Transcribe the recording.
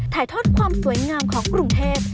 ถ่ายทอดความสวยงามของกรุงเทพ